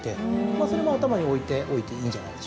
それも頭に置いておいていいんじゃないでしょうかね。